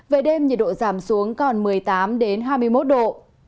về đêm nhiệt độ giảm xuống còn một mươi tám hai mươi một độ